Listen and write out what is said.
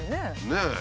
ねえ。